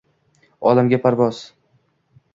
Olamga parvoz